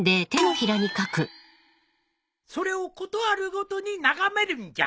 それを事あるごとに眺めるんじゃ。